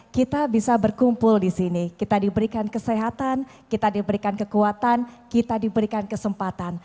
kita bisa berkumpul di sini kita diberikan kesehatan kita diberikan kekuatan kita diberikan kesempatan